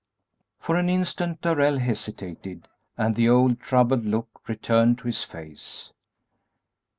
For an instant Darrell hesitated, and the old troubled look returned to his face.